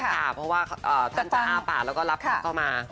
เพราะว่าท่านจะอ้าปากแล้วก็รับเข้ามา